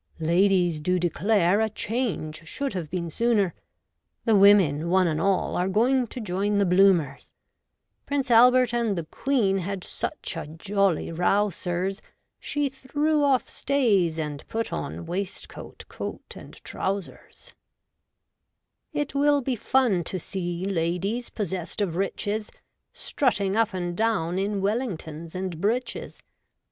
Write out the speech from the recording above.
Ladies do declare A change should have been sooner. The women, one and all, Are going to join the Bloomers. Prince Albert and the Queen Had such a jolly row, sirs ; She threw off stays and put On waistcoat, coat, and trousers. <;>?^ fi < THE BLOOMER COSTUME, 1851. D THE DRESS REFORMERS. 35 It will be fun to see Ladies, possessed of riches, Strutting up and down In Wellingtons and breeches.